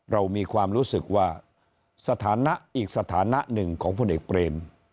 เรามีความรู้สึกว่าสถานะอีกสถานะหนึ่งของพลเอกเปรม